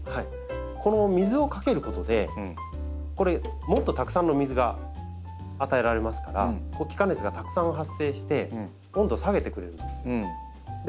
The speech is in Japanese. この水をかけることでこれもっとたくさんの水が与えられますから気化熱がたくさん発生して温度を下げてくれるんです。